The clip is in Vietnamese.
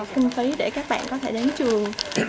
chung phí để các bạn có thể đến trường